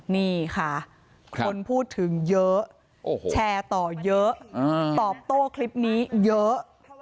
นี่ค่ะคนพูดถึงเยอะแชร์ต่อเยอะตอบโต้คลิปนี้เยอะ